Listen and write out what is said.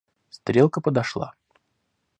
Стрелка подошла.